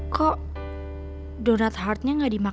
kok donut heart nya gak di match